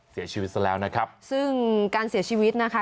เสียชีวิตซะแล้วนะครับซึ่งการเสียชีวิตนะคะ